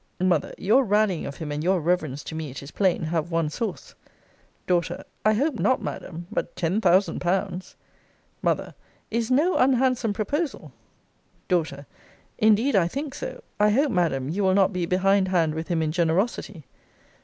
M. Your rallying of him, and your reverence to me, it is plain, have one source. D. I hope not, Madam. But ten thousand pounds M. Is no unhandsome proposal. D. Indeed I think so. I hope, Madam, you will not be behind hand with him in generosity.